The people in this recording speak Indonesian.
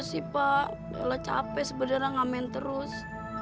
iya sih pak lela capek sebenernya gak main terus